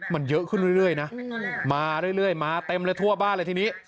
มันเยอะขึ้นเรื่อยนะมาเรื่อยมาเต็มเลยทั่วบ้านเลยทีนี้